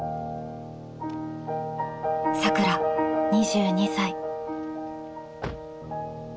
さくら２２歳。